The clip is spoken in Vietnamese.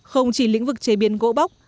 không chỉ lĩnh vực chế biến gỗ bóc